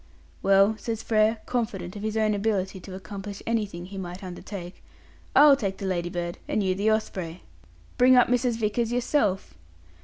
"Well," says Frere, confident of his own ability to accomplish anything he might undertake, "I'll take the Ladybird, and you the Osprey. Bring up Mrs. Vickers yourself."